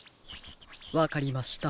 わかりました。